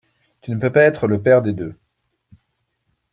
Tu ne peux pas être le père des deux.